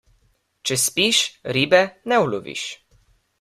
Če spiš, ribe ne uloviš.